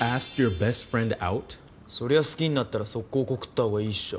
そりゃ好きになったらソッコーコクった方がいいっしょ。